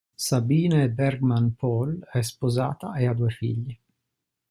Sabine Bergmann-Pohl è sposata e ha due figli.